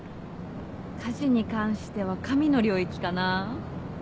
家事に関しては神の領域かな。